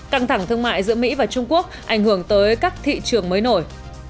căng thẳng thương mại giữa mỹ và trung quốc ảnh hưởng tới các thị trường mới nổi